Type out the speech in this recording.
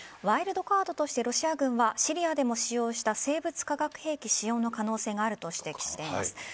ワイルドカードとしてロシア軍はシリアでも使用した生物化学兵器使用の可能性があると指摘しています。